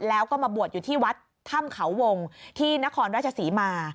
แล้วก็มาบวชอยู่ที่วัดถ้ำเขาวงที่นครราชศรีมา